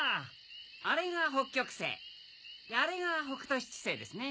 あれが北極星あれが北斗七星ですね。